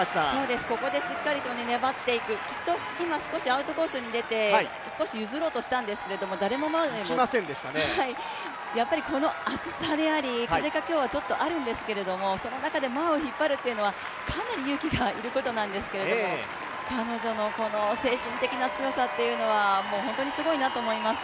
ここで、しっかりと粘っていくアウトコースに出て少し譲ろうとしたんですけど誰も前に出ない、やっぱり、今日暑さであり風が今日はあるんですけどその中で前を引っ張るというのはかなり勇気がいることなんですけど彼女の精神的な強さというのは本当にすごいなと思います。